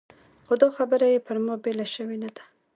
خو دا خبره یې پر ما بېله شوې نه وه.